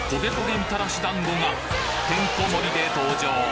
みたらし団子がてんこ盛りで登場！